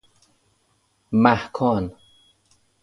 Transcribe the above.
محکان